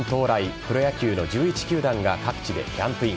プロ野球の１１球団が各地でキャンプイン。